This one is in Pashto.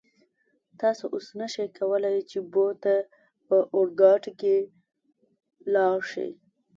تاسو اوس نشئ کولای چې بو ته په اورګاډي کې لاړ شئ.